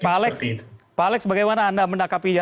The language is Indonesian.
pak alex bagaimana anda menangkapinya